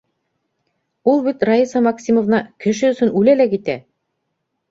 - Ул бит, Раиса Максимовна, кеше өсөн үлә лә китә!